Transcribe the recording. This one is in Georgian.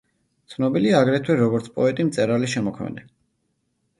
ცნობილია აგრეთვე, როგორც პოეტი, მწერალი, შემოქმედი.